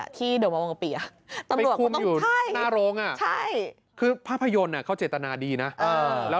อ่ะที่เดี๋ยวมองเปียะตำรวจอยู่หน้าโรงอ่ะคือภาพยนตร์เขาเจตนาดีนะแล้ว